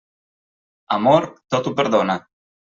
Amor, tot ho perdona.